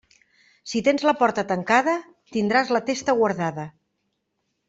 Si tens la porta tancada, tindràs la testa guardada.